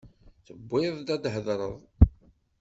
Tewwi-d ad tḥadreḍ.